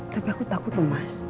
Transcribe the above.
tapi aku takut emas